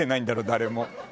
誰も。